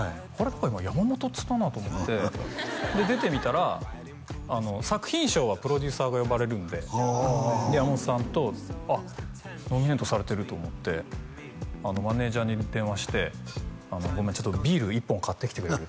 何か今山本っつったなと思ってで出てみたら作品賞はプロデューサーが呼ばれるんでおおおおおおおおで山本さんとあっノミネートされてると思ってマネージャーに電話して「ごめんちょっとビール１本買ってきてくれる？」